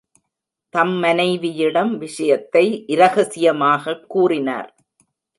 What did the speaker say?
தம் மனைவியிடம் விஷயத்தை இரகசியமாகக் கூறினார்.